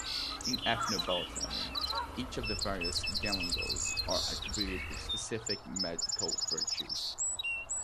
In ethnobotany, each of the various galangals are attributed with specific medical virtues.